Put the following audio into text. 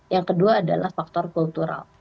yang kedua adalah faktor kultural